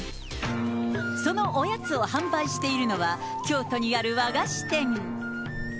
そのおやつを販売しているのは、京都にある和菓子店。